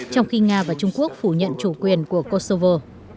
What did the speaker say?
trong khi nga và trung quốc phủ nhận chủ quyền của kosovo